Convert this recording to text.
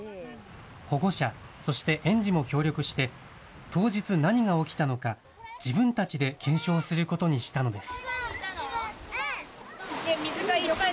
保護者、そして園児も協力して、当日何が起きたのか、自分たちで検証することにしたのです。